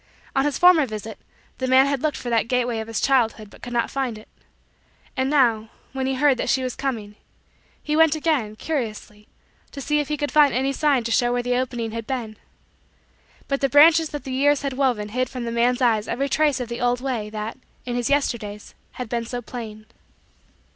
On his former visit, the man had looked for that gateway of his childhood but could not find it. And now, when he heard that she was coming, he went again, curiously, to see if he could find any sign to show where the opening had been. But the branches that the years had woven hid from the man's eyes every trace of the old way that, in his Yesterdays, had been so plain.